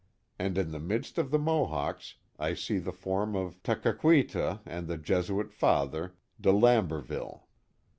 And in the midst of the Mohawks I see the form of Tekakwitha and the Jesuit Father De Lamberville.